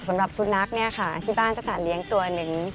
แต่สำหรับซูนักที่บ้านจะจัดเลี้ยงตัวหนึ่ง